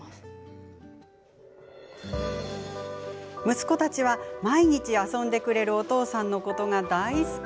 息子たちは毎日、遊んでくれるお父さんのことが大好き。